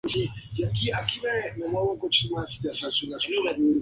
Es un ex entrenador y modelo.